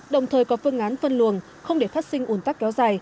đồng thời có phương án phân luồng không để phát sinh ủn tắc kéo dài